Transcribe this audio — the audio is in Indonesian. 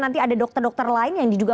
nanti ada dokter dokter lain yang diduga